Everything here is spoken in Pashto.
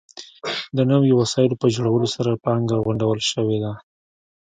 د نویو وسایلو په جوړولو سره پانګه غونډول شوې وه.